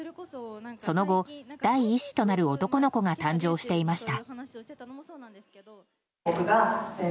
その後、第１子となる男の子が誕生していました。